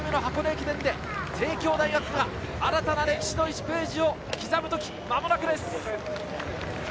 ９８回目の箱根駅伝で帝京大学が新たな歴史の１ページを刻む時、間もなくです。